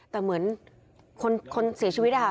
แต่เหมือนคนเสียชีวิตอะค่ะ